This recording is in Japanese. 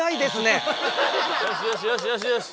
よしよしよしよしよし！